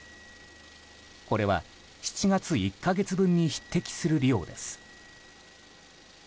これは７月１か月分に匹敵する量です。